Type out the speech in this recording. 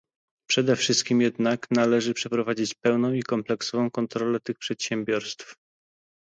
Przede wszystkim jednak należy przeprowadzić pełną i kompleksową kontrolę tych przedsiębiorstw